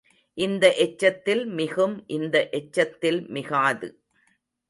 இந்த எச்சத்தில் மிகும் இந்த எச்சத்தில் மிகாது.